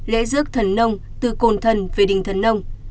lễ rước thần nông từ cồn thần về đình thần nông